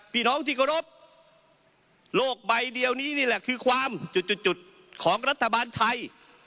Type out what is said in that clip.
พี่น้องที่เคารพโลกใบเดียวนี้นี่แหละคือความจุดของรัฐบาลไทย